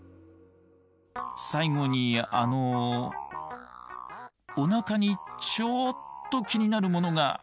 最後にあのおなかにちょっと気になるものが。